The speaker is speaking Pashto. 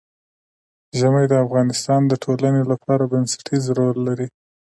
ژمی د افغانستان د ټولنې لپاره بنسټيز رول لري.